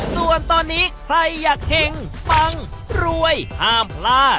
ส่วนตอนนี้ใครอยากเห็งปังรวยห้ามพลาด